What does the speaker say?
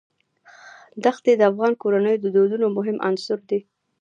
ښتې د افغان کورنیو د دودونو مهم عنصر دی.